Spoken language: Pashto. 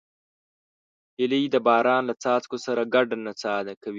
هیلۍ د باران له څاڅکو سره ګډه نڅا کوي